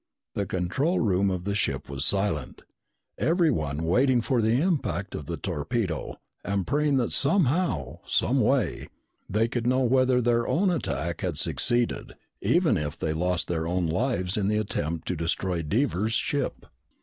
The control room of the ship was silent, everyone waiting for the impact of the torpedo and praying that somehow, someway, they could know whether their own attack had succeeded even if they lost their own lives in the attempt to destroy Devers' ship.